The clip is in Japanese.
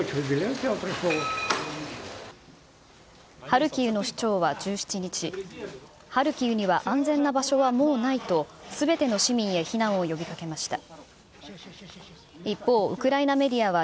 ハルキウの市長は１７日、ハルキウには安全な場所はもうないと、すべての市民へ避難を呼びかけました。